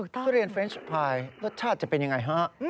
ทุเรียนเฟรนชพายรสชาติจะเป็นยังไงฮะ